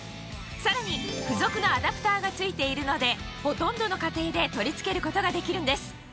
さらに付属のアダプターが付いているのでほとんどの家庭で取り付けることができるんです